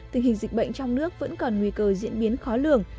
tình hình dịch bệnh trong nước vẫn còn nguy cơ diễn biến khó lường